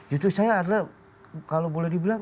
justru saya adalah kalau boleh dibilang